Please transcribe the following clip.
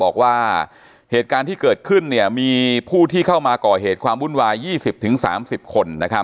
บอกว่าเหตุการณ์ที่เกิดขึ้นมีผู้ที่เข้ามาก่อเหตุความวุ่นวาย๒๐๓๐คน